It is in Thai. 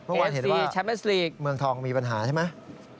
เมื่อวานเห็นว่าเมืองทองมีปัญหาใช่ไหม